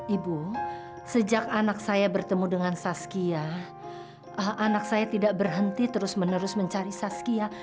ibu sejak anak saya bertemu dengan saskia anak saya tidak berhenti terus menerus mencari saskia